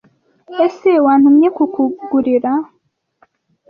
ese Wantumye kukugurira